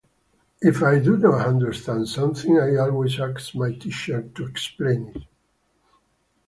If I do not understand something, I always ask my teacher to explain it.